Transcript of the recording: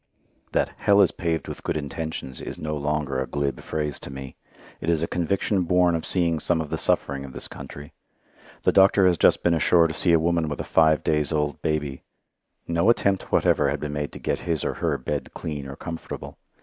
That "hell is paved with good intentions" is no longer a glib phrase to me; it is a conviction born of seeing some of the suffering of this country. The doctor has just been ashore to see a woman with a five days old baby. No attempt whatever had been made to get her or her bed clean or comfortable.